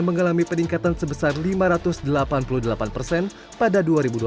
mengalami peningkatan sebesar lima ratus delapan puluh delapan persen pada dua ribu dua puluh